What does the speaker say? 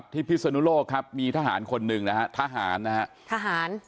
ที่พิศนุโลกครับมีทหารคนหนึ่งนะครับทหาร